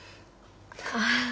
ああ。